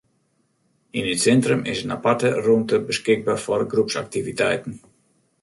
Yn it sintrum is in aparte rûmte beskikber foar groepsaktiviteiten.